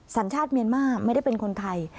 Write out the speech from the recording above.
สัญชาติเมียนมาร์ไม่ได้เป็นคนไทย